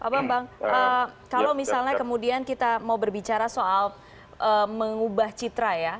pak bambang kalau misalnya kemudian kita mau berbicara soal mengubah citra ya